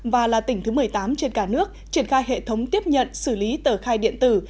và là tỉnh thứ một mươi tám trên cả nước triển khai hệ thống tiếp nhận xử lý tờ khai điện tử